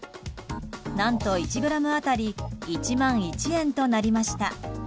なんと１ｇ当たり１万１円となりました。